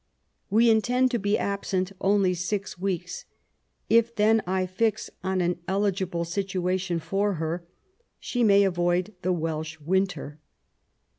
We intend to be absent only six weeks; if then I fix on an eligible situation for her she may avoid the Welsh winter.